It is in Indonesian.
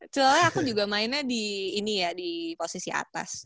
soalnya aku juga mainnya di ini ya di posisi atas